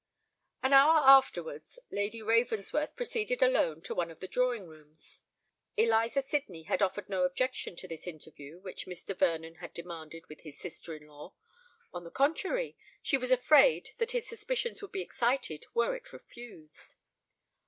An hour afterwards Lady Ravensworth proceeded alone to one of the drawing rooms. Eliza Sydney had offered no objection to this interview which Mr. Vernon had demanded with his sister in law: on the contrary, she was afraid that his suspicions would be excited were it refused.